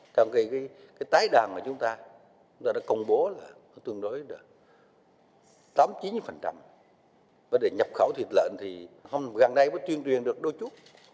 theo cái tái đoàn của chúng ta chúng ta đã công bố là tương đối tám chín và để nhập khẩu thịt lợn thì gần đây mới tuyên truyền được đôi chút